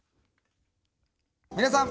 皆さん。